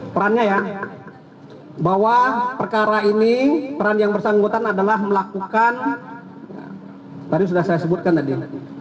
perannya ya bahwa perkara ini peran yang bersangkutan adalah melakukan tadi sudah saya sebutkan tadi